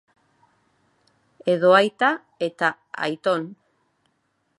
Edo aita eta aiton.